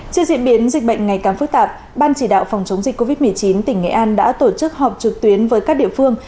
trước diễn biến dịch bệnh ngày càng phức tạp ban chỉ đạo phòng chống dịch covid một mươi chín tỉnh nghệ an đã tổ chức họp trực tuyến với các địa phương